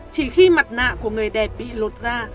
chỉ khi mặt nạ của người đẹp bị lột ra